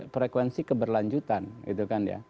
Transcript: frekuensi keberlanjutan gitu kan ya